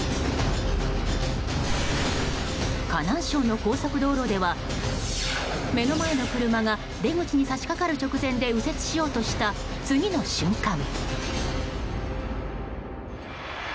河南省の高速道路では目の前の車が出口に差し掛かる直前で右折しようとした次の瞬間。